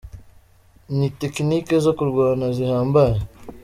Ni tekinike zo kurwana zihambaye.